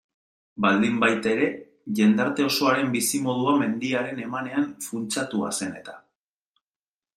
Baldinbaitere, jendarte osoaren bizimodua mendiaren emanean funtsatua zen eta.